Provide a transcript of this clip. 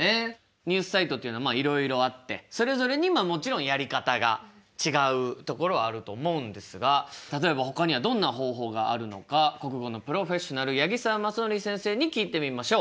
ニュースサイトっていうのはいろいろあってそれぞれにまあもちろんやり方が違うところはあると思うんですが例えば他にはどんな方法があるのか国語のプロフェッショナル八木沢正統先生に聞いてみましょう。